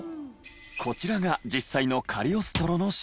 こちらが実際の『カリオストロの城』。